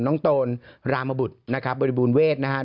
น้องโตนรามบุตรบริบูรณเวทย์นะครับ